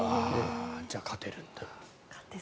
じゃあ、勝てるんだ。